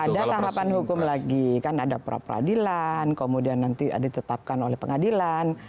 ada tahapan hukum lagi kan ada pra peradilan kemudian nanti ditetapkan oleh pengadilan